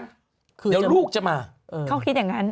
เดี๋ยวลูกจะมาเขาคิดอย่างนั้น